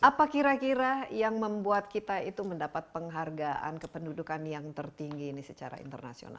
apa kira kira yang membuat kita itu mendapat penghargaan kependudukan yang tertinggi ini secara internasional